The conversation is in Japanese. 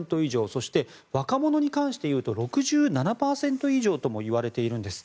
そして、若者に関して言うと６７％以上ともいわれているんです。